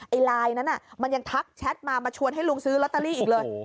ไอไลน์นั้นมันยังทักแชทมามาชวนให้ลุงซื้อลอตเตอรี่อีกเลย